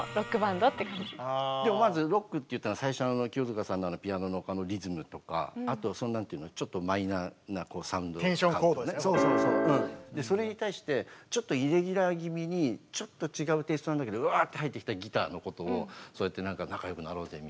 でもまずロックっていったの最初の清塚さんのピアノのリズムとかあとなんていうのそれに対してちょっとイレギュラー気味にちょっと違うテーストなんだけどウワッと入ってきたギターのことをそうやってなんか仲よくなろうぜみたいな。